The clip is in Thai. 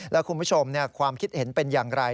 แล้วคุณผู้ชมความคิดเห็นเป็นอย่างไร